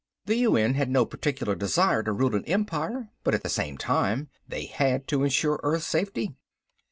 The UN had no particular desire to rule an empire, but at the same time they had to insure Earth's safety.